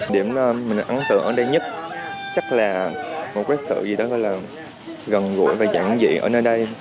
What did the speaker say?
điểm mình ấn tượng ở đây nhất chắc là một quát sự gì đó là gần gũi và chẳng dị ở nơi đây